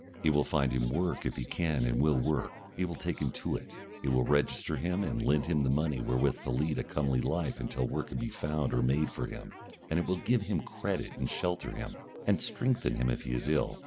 It will find him work if he can and will work, it will take him to it, it will register him and lend him the money wherewith to lead a comely life until work can be found or made for him, and it will give him credit and shelter him and strengthen him if he is ill.